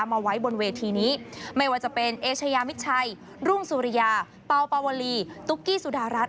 มาไว้บนเวทีนี้ไม่ว่าจะเป็นเอเชยามิดชัยรุ่งสุริยาเป่าปาวลีตุ๊กกี้สุดารัฐ